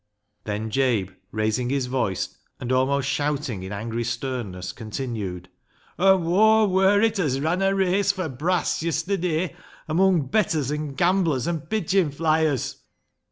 Then Jabe, raising his voice, and almost shouting in angry sternness, continued — "An' whoa wur it as ran a race fur brass yesterday amung bettors an' gamblers an' pidgin flyers